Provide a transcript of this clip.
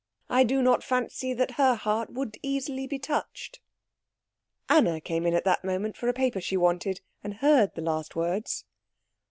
I do not fancy that her heart would easily be touched." Anna came in at that moment for a paper she wanted, and heard the last words.